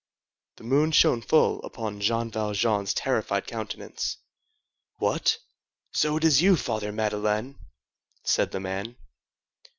The moon shone full upon Jean Valjean's terrified countenance. "What! so it is you, Father Madeleine!" said the man.